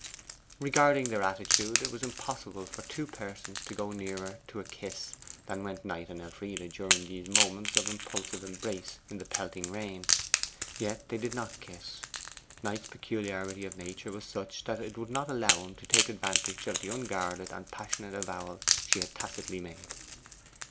Regarding their attitude, it was impossible for two persons to go nearer to a kiss than went Knight and Elfride during those minutes of impulsive embrace in the pelting rain. Yet they did not kiss. Knight's peculiarity of nature was such that it would not allow him to take advantage of the unguarded and passionate avowal she had tacitly made.